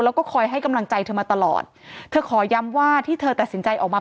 แล้วก็คอยให้กำลังใจเธอมาตลอดเธอขอย้ำว่าที่เธอตัดสินใจออกมา